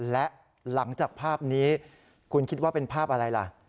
และหลังจากภาพนี้คุณคิดว่าเป็นภาพอะไรล่ะ